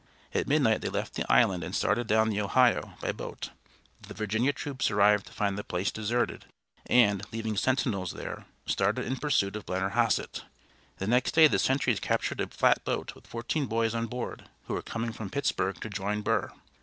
At midnight they left the island and started down the Ohio by boat. The Virginia troops arrived to find the place deserted, and, leaving sentinels there, started in pursuit of Blennerhassett. The next day the sentries captured a flatboat with fourteen boys on board, who were coming from Pittsburgh to join Burr.